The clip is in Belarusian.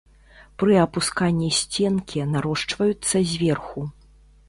Пры апусканні сценкі нарошчваюцца зверху.